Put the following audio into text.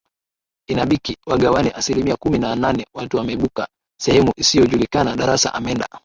inabiki wagawane asilimia kumi na nane watu wameibuka sehemu isiyojulikana Darassa amenda